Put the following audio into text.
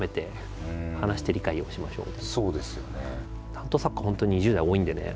担当作家本当２０代多いんでね